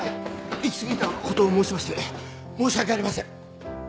行きすぎた事を申しまして申し訳ありません。